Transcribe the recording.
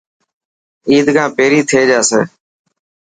عيد کان پهري ٿي جاسي.